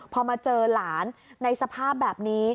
ป้าของน้องธันวาผู้ชมข่าวอ่อน